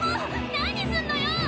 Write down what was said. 何すんのよ！